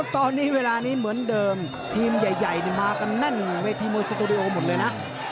ตอนนี้เวลานี้เหมือนเดิมทีมใหญ่มากันแน่นเวทีมวยสตูดิโอหมดเลยนะ